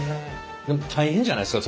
でも大変じゃないですか？